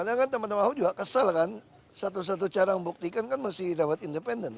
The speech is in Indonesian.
karena kan teman teman ahok juga kesal kan satu satu cara membuktikan kan mesti dapat independen